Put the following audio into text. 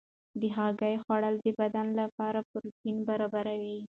د هګۍ خوړل د بدن لپاره پروټین برابروي.